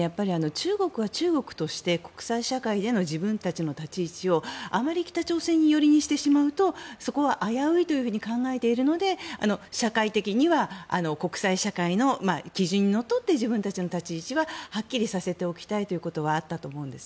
中国は中国として国際社会への自分たちの立ち位置をあまり北朝鮮寄りにしてしまうとそこは危ういと考えているので社会的には国際社会の基準にのっとって自分たちの立ち位置ははっきりさせておきたいということはあったと思うんです。